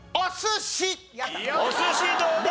お寿司どうだ？